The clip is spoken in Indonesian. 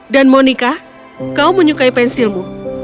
dan monica kau menyukai pensilmu